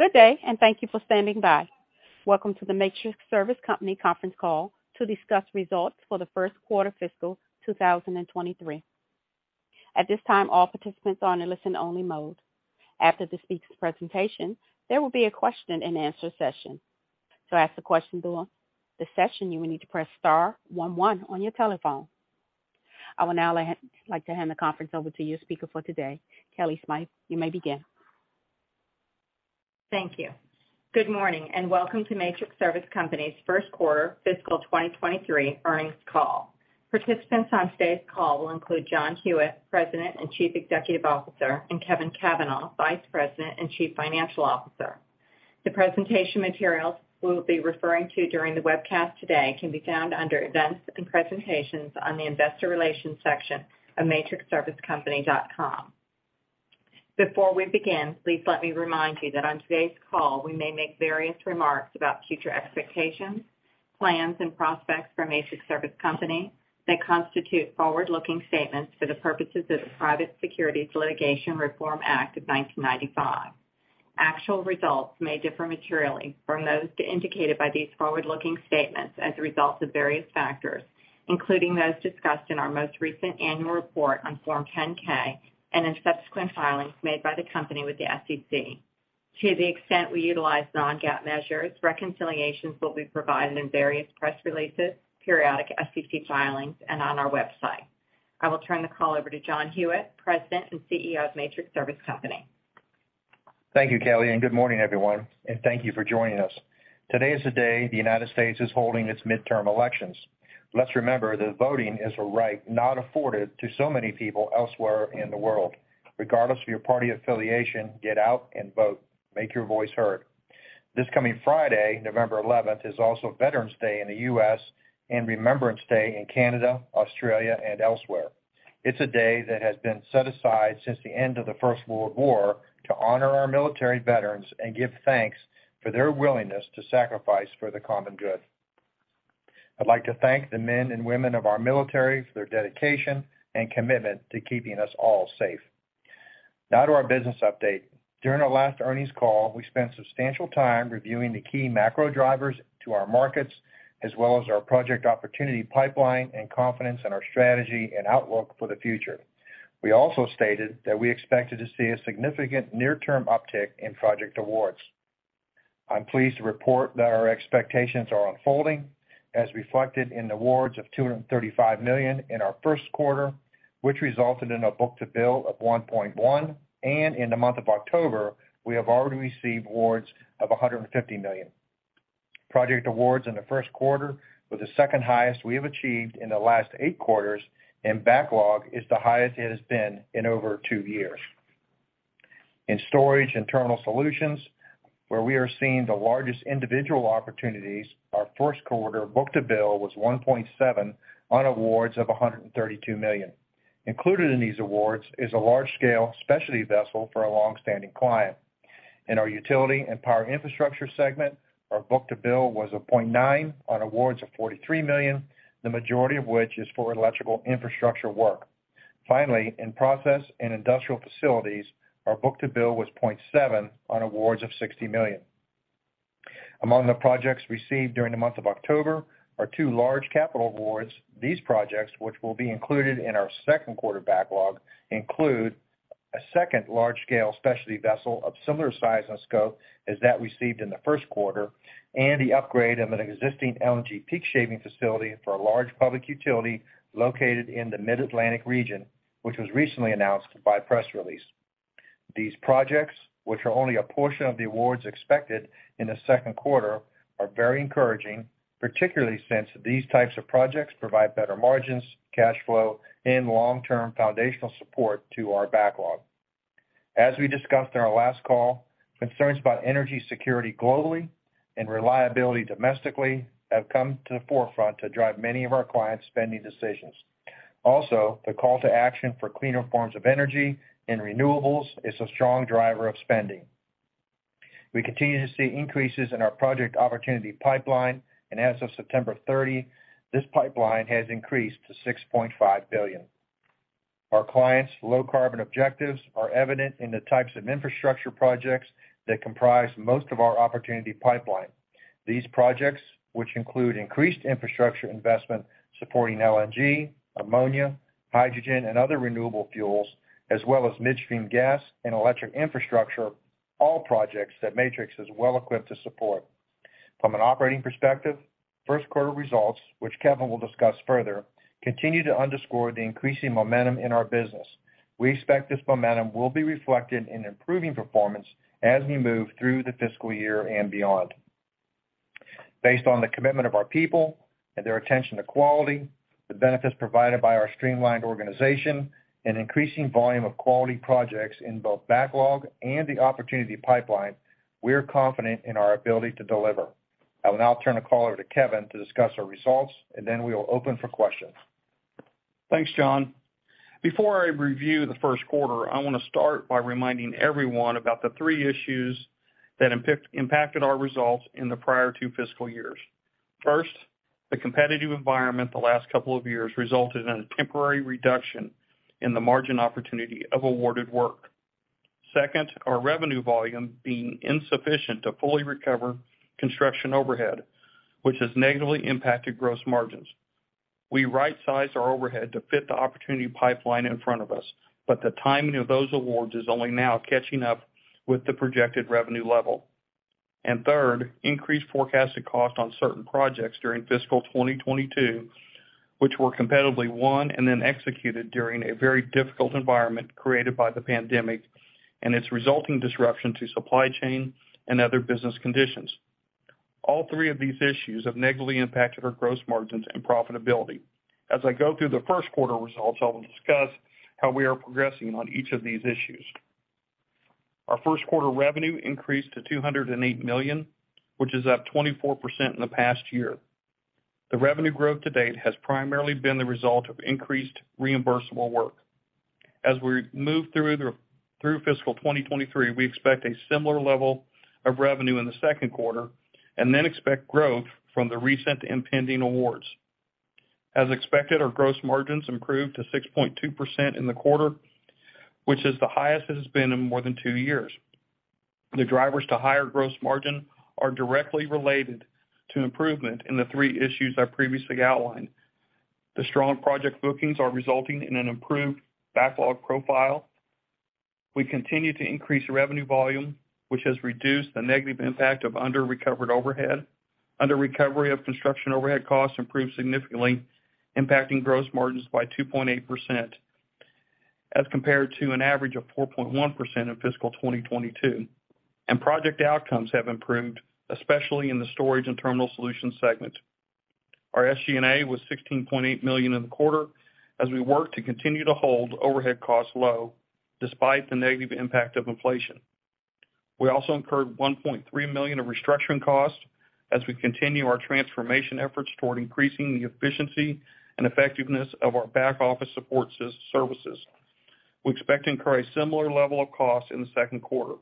Good day. Thank you for standing by. Welcome to the Matrix Service Company conference call to discuss results for the first quarter fiscal 2023. At this time, all participants are in a listen-only mode. After the speaker's presentation, there will be a question and answer session. To ask a question during the session, you will need to press star one one on your telephone. I would now like to hand the conference over to your speaker for today. Kellie Smythe, you may begin. Thank you. Good morning. Welcome to Matrix Service Company's first quarter fiscal 2023 earnings call. Participants on today's call will include John Hewitt, President and Chief Executive Officer, and Kevin Cavanah, Vice President and Chief Financial Officer. The presentation materials we will be referring to during the webcast today can be found under Events and Presentations on the investor relations section of matrixservicecompany.com. Before we begin, please let me remind you that on today's call, we may make various remarks about future expectations, plans, and prospects for Matrix Service Company that constitute forward-looking statements for the purposes of the Private Securities Litigation Reform Act of 1995. Actual results may differ materially from those indicated by these forward-looking statements as a result of various factors, including those discussed in our most recent annual report on Form 10-K and in subsequent filings made by the company with the SEC. To the extent we utilize non-GAAP measures, reconciliations will be provided in various press releases, periodic SEC filings, and on our website. I will turn the call over to John Hewitt, President and CEO of Matrix Service Company. Thank you, Kellie. Good morning, everyone. Thank you for joining us. Today is the day the United States is holding its midterm elections. Let's remember that voting is a right not afforded to so many people elsewhere in the world. Regardless of your party affiliation, get out and vote. Make your voice heard. This coming Friday, November 11th, is also Veterans Day in the U.S. and Remembrance Day in Canada, Australia, and elsewhere. It's a day that has been set aside since the end of the First World War to honor our military veterans and give thanks for their willingness to sacrifice for the common good. I'd like to thank the men and women of our military for their dedication and commitment to keeping us all safe. Now to our business update. During our last earnings call, we spent substantial time reviewing the key macro drivers to our markets, as well as our project opportunity pipeline and confidence in our strategy and outlook for the future. We also stated that we expected to see a significant near-term uptick in project awards. I'm pleased to report that our expectations are unfolding, as reflected in awards of $235 million in our first quarter, which resulted in a book-to-bill of 1.1, and in the month of October, we have already received awards of $150 million. Project awards in the first quarter were the second highest we have achieved in the last eight quarters, and backlog is the highest it has been in over two years. In storage and terminal solutions, where we are seeing the largest individual opportunities, our first quarter book-to-bill was 1.7 on awards of $132 million. Included in these awards is a large-scale specialty vessel for a long-standing client. In our Utility and Power Infrastructure segment, our book-to-bill was 0.9 on awards of $43 million, the majority of which is for electrical infrastructure work. Finally, in process and industrial facilities, our book-to-bill was 0.7 on awards of $60 million. Among the projects received during the month of October are two large capital awards. These projects, which will be included in our second quarter backlog, include a second large-scale specialty vessel of similar size and scope as that received in the first quarter and the upgrade of an existing LNG peak shaving facility for a large public utility located in the Mid-Atlantic region, which was recently announced by press release. These projects, which are only a portion of the awards expected in the second quarter, are very encouraging, particularly since these types of projects provide better margins, cash flow, and long-term foundational support to our backlog. As we discussed on our last call, concerns about energy security globally and reliability domestically have come to the forefront to drive many of our clients' spending decisions. Also, the call to action for cleaner forms of energy and renewables is a strong driver of spending. We continue to see increases in our project opportunity pipeline, and as of September 30, this pipeline has increased to $6.5 billion. Our clients' low carbon objectives are evident in the types of infrastructure projects that comprise most of our opportunity pipeline. These projects, which include increased infrastructure investment supporting LNG, ammonia, hydrogen, and other renewable fuels, as well as midstream gas and electric infrastructure, are all projects that Matrix is well-equipped to support. From an operating perspective, first quarter results, which Kevin Cavanah will discuss further, continue to underscore the increasing momentum in our business. We expect this momentum will be reflected in improving performance as we move through the fiscal year and beyond. Based on the commitment of our people and their attention to quality, the benefits provided by our streamlined organization, and increasing volume of quality projects in both backlog and the opportunity pipeline, we're confident in our ability to deliver. I will now turn the call over to Kevin Cavanah to discuss our results, then we will open for questions. Thanks, John. Before I review the first quarter, I want to start by reminding everyone about the three issues that impacted our results in the prior two fiscal years. First, the competitive environment the last couple of years resulted in a temporary reduction in the margin opportunity of awarded work. Second, our revenue volume being insufficient to fully recover construction overhead, which has negatively impacted gross margins. We right-sized our overhead to fit the opportunity pipeline in front of us, but the timing of those awards is only now catching up with the projected revenue level. Third, increased forecasted cost on certain projects during fiscal 2022, which were competitively won and then executed during a very difficult environment created by the pandemic and its resulting disruption to supply chain and other business conditions. All three of these issues have negatively impacted our gross margins and profitability. As I go through the first quarter results, I will discuss how we are progressing on each of these issues. Our first quarter revenue increased to $208 million, which is up 24% in the past year. The revenue growth to date has primarily been the result of increased reimbursable work. As we move through fiscal 2023, we expect a similar level of revenue in the second quarter and then expect growth from the recent impending awards. As expected, our gross margins improved to 6.2% in the quarter, which is the highest it has been in more than two years. The drivers to higher gross margin are directly related to improvement in the three issues I previously outlined. The strong project bookings are resulting in an improved backlog profile. We continue to increase revenue volume, which has reduced the negative impact of under-recovered overhead. Under-recovery of construction overhead costs improved significantly, impacting gross margins by 2.8% as compared to an average of 4.1% in fiscal 2022. Project outcomes have improved, especially in the storage and terminal solutions segment. Our SGA was $16.8 million in the quarter as we work to continue to hold overhead costs low despite the negative impact of inflation. We also incurred $1.3 million of restructuring costs as we continue our transformation efforts toward increasing the efficiency and effectiveness of our back office support services. We expect to incur a similar level of cost in the second quarter.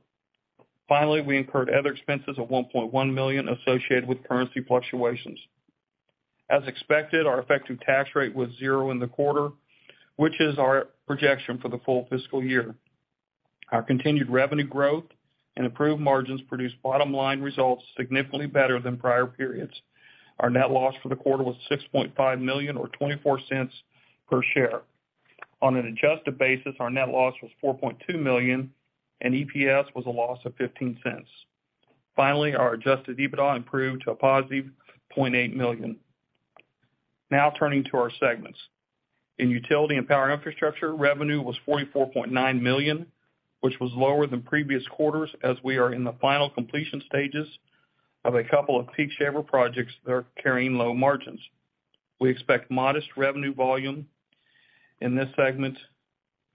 Finally, we incurred other expenses of $1.1 million associated with currency fluctuations. As expected, our effective tax rate was zero in the quarter, which is our projection for the full fiscal year. Our continued revenue growth and improved margins produced bottom-line results significantly better than prior periods. Our net loss for the quarter was $6.5 million, or $0.24 per share. On an adjusted basis, our net loss was $4.2 million, and EPS was a loss of $0.15. Our adjusted EBITDA improved to a positive $0.8 million. Turning to our segments. In Utility and Power Infrastructure, revenue was $44.9 million, which was lower than previous quarters as we are in the final completion stages of a couple of peak shaver projects that are carrying low margins. We expect modest revenue volume in this segment.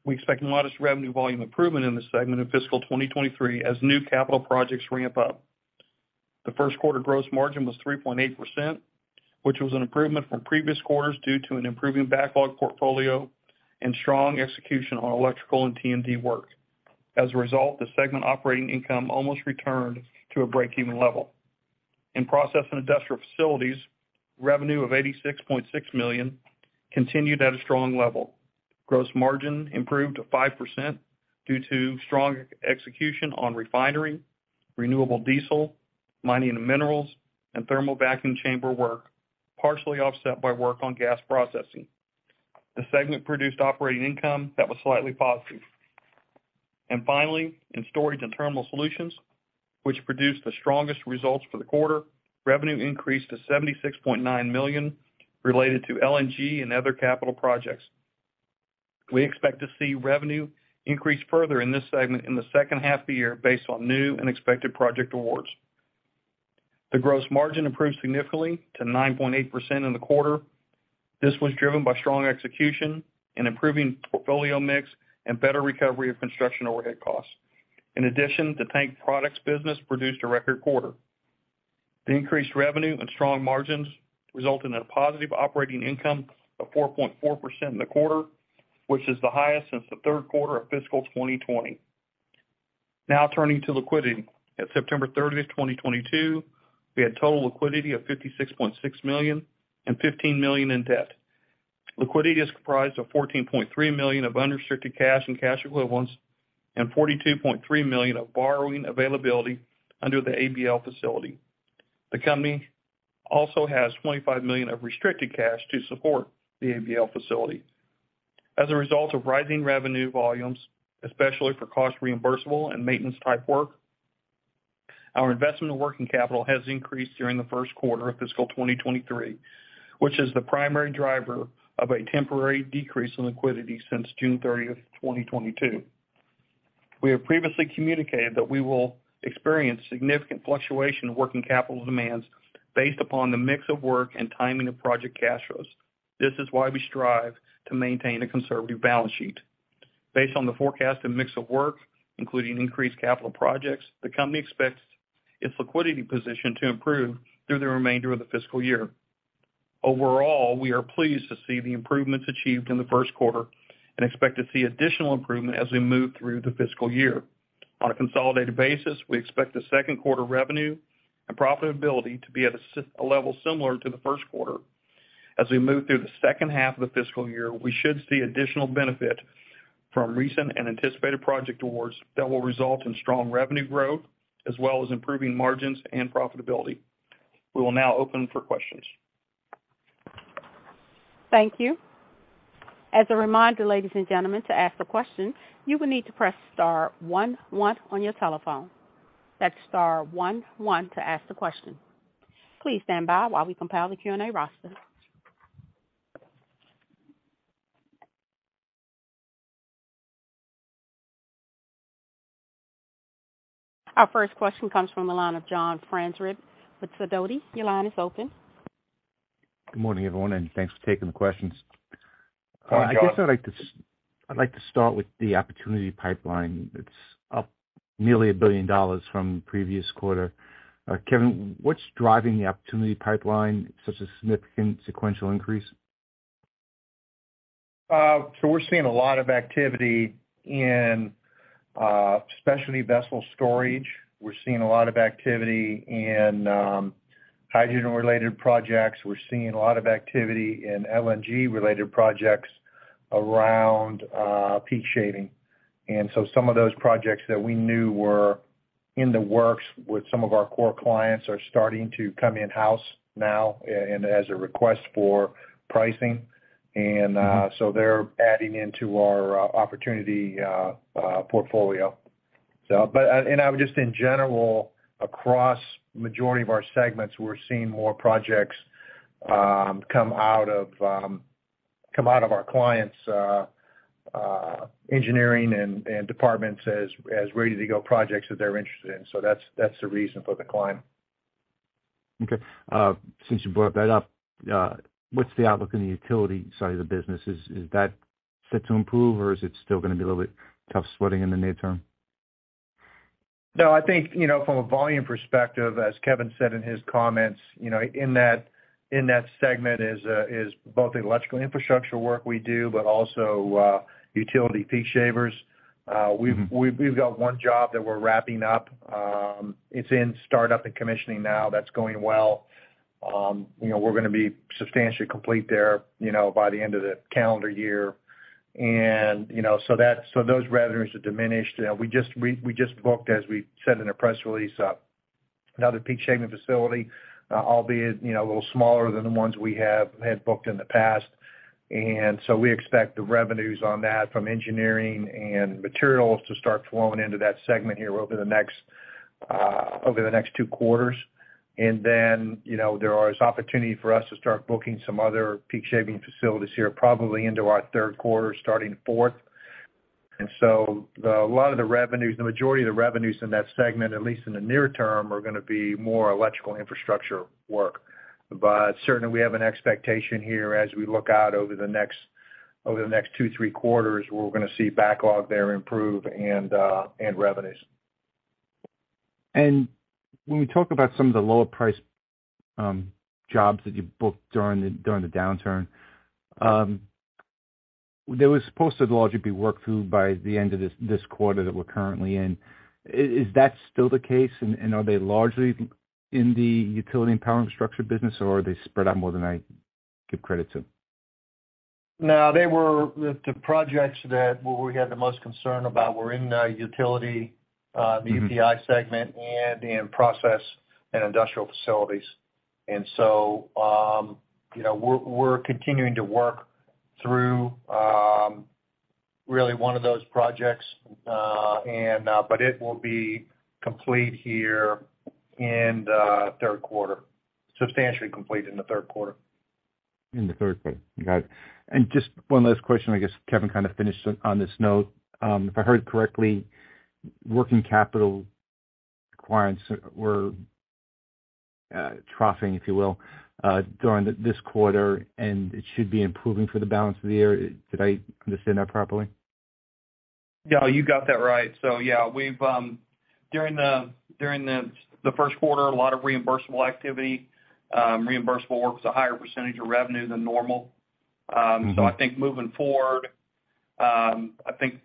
We expect modest revenue volume improvement in this segment in fiscal 2023 as new capital projects ramp up. The first quarter gross margin was 3.8%, which was an improvement from previous quarters due to an improving backlog portfolio and strong execution on electrical and T&D work. As a result, the segment operating income almost returned to a break-even level. In process and industrial facilities, revenue of $86.6 million continued at a strong level. Gross margin improved to 5% due to strong execution on refinery, renewable diesel, mining and minerals, and thermal vacuum chamber work, partially offset by work on gas processing. The segment produced operating income that was slightly positive. Finally, in storage and terminal solutions, which produced the strongest results for the quarter, revenue increased to $76.9 million related to LNG and other capital projects. We expect to see revenue increase further in this segment in the second half of the year based on new and expected project awards. The gross margin improved significantly to 9.8% in the quarter. This was driven by strong execution, an improving portfolio mix, and better recovery of construction overhead costs. In addition, the tank products business produced a record quarter. The increased revenue and strong margins result in a positive operating income of 4.4% in the quarter, which is the highest since the third quarter of fiscal 2020. Turning to liquidity. At September 30th, 2022, we had total liquidity of $56.6 million and $15 million in debt. Liquidity is comprised of $14.3 million of unrestricted cash and cash equivalents and $42.3 million of borrowing availability under the ABL facility. The company also has $25 million of restricted cash to support the ABL facility. As a result of rising revenue volumes, especially for cost reimbursable and maintenance-type work, our investment in working capital has increased during the first quarter of fiscal 2023, which is the primary driver of a temporary decrease in liquidity since June 30th, 2022. We have previously communicated that we will experience significant fluctuation of working capital demands based upon the mix of work and timing of project cash flows. This is why we strive to maintain a conservative balance sheet. Based on the forecasted mix of work, including increased capital projects, the company expects its liquidity position to improve through the remainder of the fiscal year Overall, we are pleased to see the improvements achieved in the first quarter and expect to see additional improvement as we move through the fiscal year. On a consolidated basis, we expect the second quarter revenue and profitability to be at a level similar to the first quarter. As we move through the second half of the fiscal year, we should see additional benefit from recent and anticipated project awards that will result in strong revenue growth as well as improving margins and profitability. We will now open for questions. Thank you. As a reminder, ladies and gentlemen, to ask a question, you will need to press star one one on your telephone. That's star one one to ask the question. Please stand by while we compile the Q&A roster. Our first question comes from the line of John Franzreb with Sidoti. Your line is open. Good morning, everyone, and thanks for taking the questions. Hi, John. I guess I'd like to start with the opportunity pipeline. It's up nearly $1 billion from the previous quarter. Kevin, what's driving the opportunity pipeline, such a significant sequential increase? We're seeing a lot of activity in specialty vessel storage. We're seeing a lot of activity in hydrogen-related projects. We're seeing a lot of activity in LNG-related projects around peak shaving. Some of those projects that we knew were in the works with some of our core clients are starting to come in-house now and as a request for pricing. They're adding into our opportunity portfolio. Just in general, across majority of our segments, we're seeing more projects come out of our clients' engineering and departments as ready-to-go projects that they're interested in. That's the reason for the climb. Okay. Since you brought that up, what's the outlook on the utility side of the business? Is that set to improve, or is it still going to be a little bit tough sweating in the near term? No, I think, from a volume perspective, as Kevin said in his comments, in that segment is both the electrical infrastructure work we do, but also utility peak shavers. We've got one job that we're wrapping up. It's in startup and commissioning now. That's going well. We're going to be substantially complete there by the end of the calendar year. Those revenues are diminished. We just booked, as we said in our press release, another peak shaving facility, albeit a little smaller than the ones we had booked in the past. We expect the revenues on that from engineering and materials to start flowing into that segment here over the next two quarters. There is opportunity for us to start booking some other peak shaving facilities here, probably into our third quarter, starting fourth. A lot of the revenues, the majority of the revenues in that segment, at least in the near term, are going to be more electrical infrastructure work. Certainly, we have an expectation here as we look out over the next two, three quarters, we're going to see backlog there improve and revenues. When we talk about some of the lower-priced jobs that you booked during the downturn, they were supposed to largely be worked through by the end of this quarter that we're currently in. Is that still the case? Are they largely in the Utility and Power Infrastructure business, or are they spread out more than I give credit to? No, the projects that we had the most concern about were in the Utility, the UTI segment and in process and industrial facilities. We're continuing to work through really one of those projects, but it will be complete here in the third quarter, substantially complete in the third quarter. In the third quarter. Got it. Just one last question, I guess, Kevin, kind of finished on this note. If I heard correctly, working capital requirements were troughing, if you will, during this quarter, and it should be improving for the balance of the year. Did I understand that properly? Yeah, you got that right. Yeah, during the first quarter, a lot of reimbursable activity. Reimbursable work is a higher percentage of revenue than normal. I think moving forward, I think,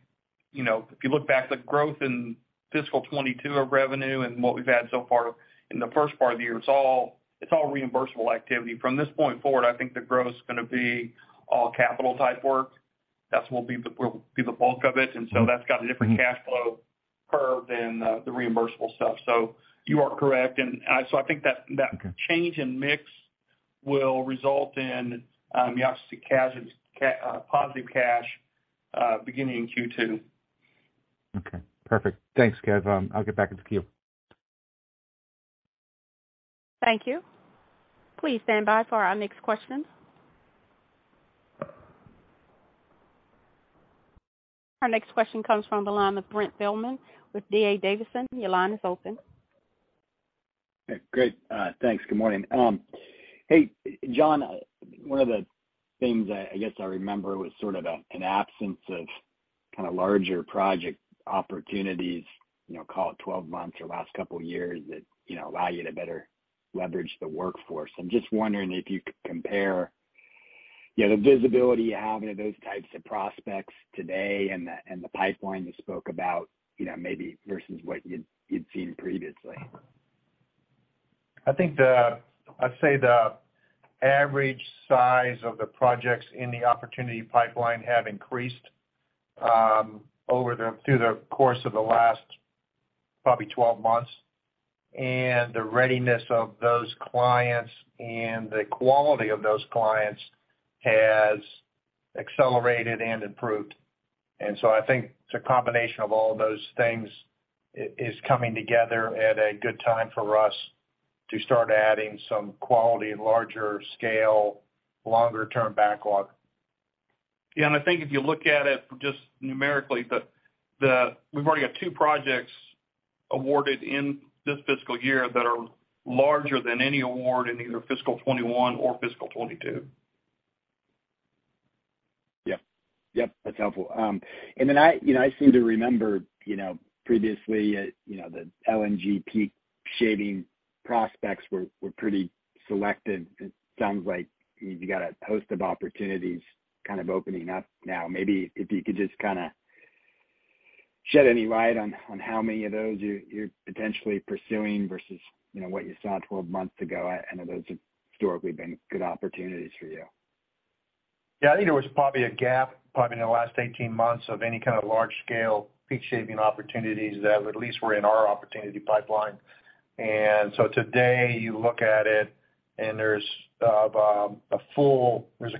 if you look back, the growth in fiscal 2022 of revenue and what we've had so far in the first part of the year, it's all reimbursable activity. From this point forward, I think the growth is going to be all capital-type work. That will be the bulk of it. That's got a different cash flow curve than the reimbursable stuff. You are correct. I think that Okay that change in mix will result in you obviously see positive cash beginning in Q2. Okay, perfect. Thanks, Kev. I'll get back in the queue. Thank you. Please stand by for our next question. Our next question comes from the line with Brent Thielman with D.A. Davidson. Your line is open. Great. Thanks. Good morning. Hey, John, one of the things that I guess I remember was sort of an absence of Kind of larger project opportunities, call it 12 months or the last couple of years that allow you to better leverage the workforce. I'm just wondering if you could compare the visibility you have into those types of prospects today and the pipeline you spoke about, maybe versus what you'd seen previously. I'd say the average size of the projects in the opportunity pipeline have increased through the course of the last probably 12 months. The readiness of those clients and the quality of those clients has accelerated and improved. I think it's a combination of all those things is coming together at a good time for us to start adding some quality, larger scale, longer-term backlog. Yeah, I think if you look at it just numerically, we've already got two projects awarded in this fiscal year that are larger than any award in either fiscal 2021 or fiscal 2022. Yep. That's helpful. I seem to remember previously, the LNG peak shaving prospects were pretty selected. It sounds like you've got a host of opportunities kind of opening up now. Maybe if you could just kind of shed any light on how many of those you're potentially pursuing versus what you saw 12 months ago. I know those have historically been good opportunities for you. Yeah, I think there was probably a gap, probably in the last 18 months of any kind of large-scale peak shaving opportunities that at least were in our opportunity pipeline. Today you look at it and there's a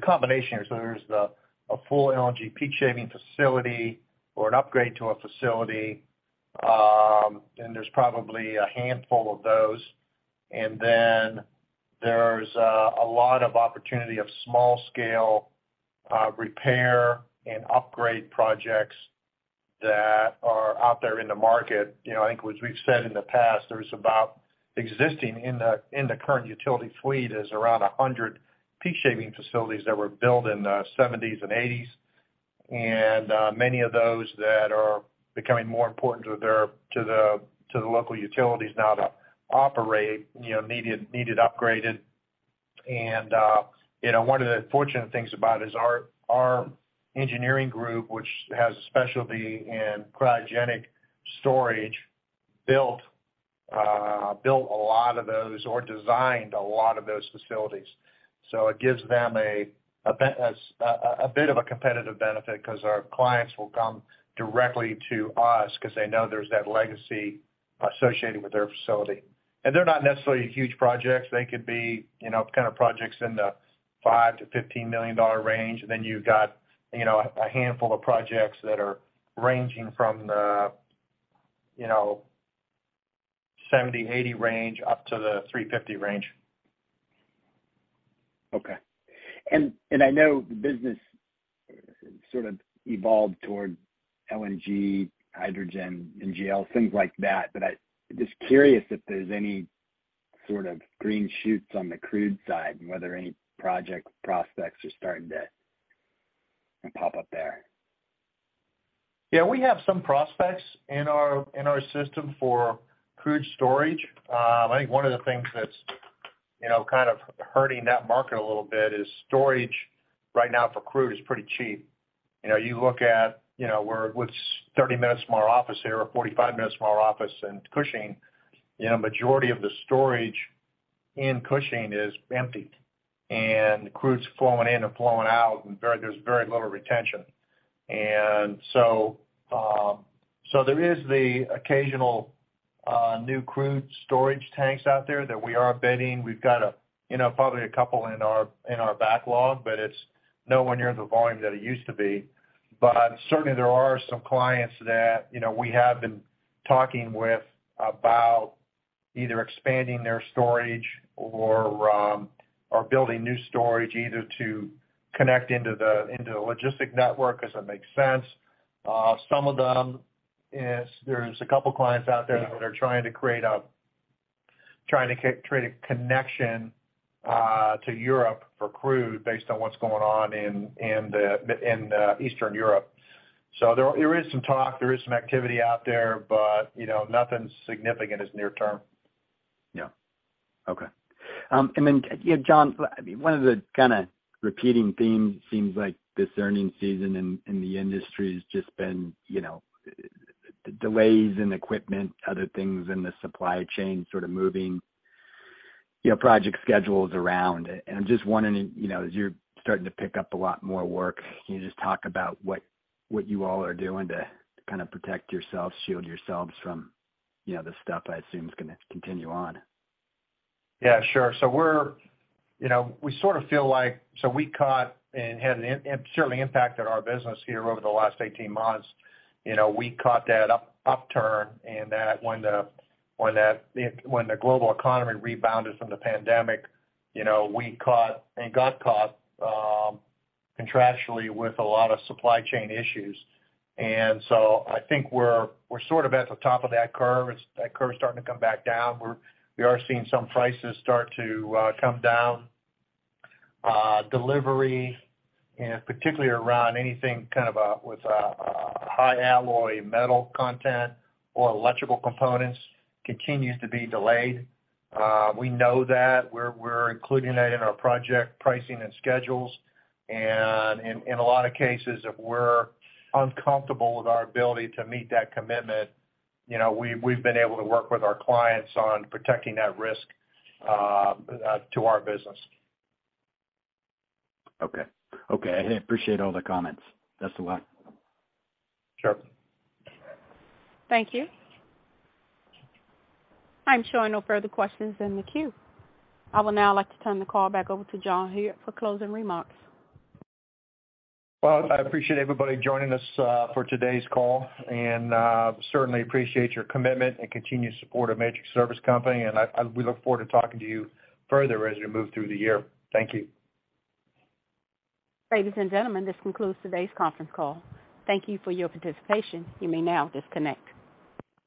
combination. There's a full LNG peak shaving facility or an upgrade to a facility, and there's probably a handful of those. There's a lot of opportunity of small-scale repair and upgrade projects that are out there in the market. I think as we've said in the past, there's about existing in the current utility fleet is around 100 peak shaving facilities that were built in the '70s and '80s. Many of those that are becoming more important to the local utilities now to operate needed upgraded. One of the fortunate things about it is our engineering group, which has a specialty in cryogenic storage, built a lot of those or designed a lot of those facilities. It gives them a bit of a competitive benefit because our clients will come directly to us because they know there's that legacy associated with their facility. They're not necessarily huge projects. They could be kind of projects in the $5 million-$15 million range. You've got a handful of projects that are ranging from the $70 million-$80 million range up to the $350 million range. Okay. I know the business sort of evolved toward LNG, hydrogen, NGL, things like that. I'm just curious if there's any sort of green shoots on the crude side and whether any project prospects are starting to pop up there. Yeah, we have some prospects in our system for crude storage. I think one of the things that's kind of hurting that market a little bit is storage right now for crude is pretty cheap. You look at what's 30 minutes from our office here or 45 minutes from our office in Cushing, a majority of the storage in Cushing is empty. Crude's flowing in and flowing out, and there's very little retention. There is the occasional new crude storage tanks out there that we are bidding. We've got probably a couple in our backlog, but it's nowhere near the volume that it used to be. Certainly there are some clients that we have been talking with about either expanding their storage or building new storage, either to connect into the logistic network as it makes sense. Some of them there's a couple of clients out there that are trying to create a connection to Europe for crude based on what's going on in Eastern Europe. There is some talk, there is some activity out there, but nothing significant is near term. Yeah. Okay. John, one of the kind of repeating themes seems like this earning season in the industry has just been delays in equipment, other things in the supply chain sort of moving project schedules around. I'm just wondering, as you're starting to pick up a lot more work, can you just talk about what you all are doing to kind of protect yourselves, shield yourselves from the stuff I assume is going to continue on? Yeah, sure. We sort of feel like we caught and certainly impacted our business here over the last 18 months. We caught that upturn in that when the global economy rebounded from the pandemic, we caught and got caught contractually with a lot of supply chain issues. I think we're sort of at the top of that curve. That curve's starting to come back down. We are seeing some prices start to come down. Delivery, particularly around anything kind of with a high alloy metal content or electrical components continues to be delayed. We know that. We're including that in our project pricing and schedules. In a lot of cases, if we're uncomfortable with our ability to meet that commitment, we've been able to work with our clients on protecting that risk to our business. Okay. I appreciate all the comments. Best of luck. Sure. Thank you. I'm showing no further questions in the queue. I would now like to turn the call back over to John Hewitt for closing remarks. Well, I appreciate everybody joining us for today's call, and certainly appreciate your commitment and continued support of Matrix Service Company, and we look forward to talking to you further as we move through the year. Thank you. Ladies and gentlemen, this concludes today's conference call. Thank you for your participation. You may now disconnect.